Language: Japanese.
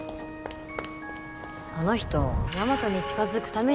あの人大和に近づくために